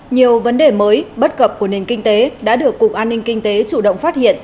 nhiều vấn đề mới bất cập của nền kinh tế đã được cục an ninh kinh tế chủ động phát hiện